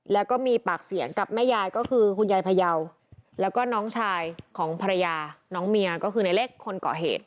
แล้วก็มีปากเสียงกับแม่ยายก็คือคุณยายพยาวแล้วก็น้องชายของภรรยาน้องเมียก็คือในเล็กคนเกาะเหตุ